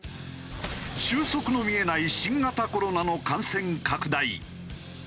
収束の見えない新型コロナの感染拡大。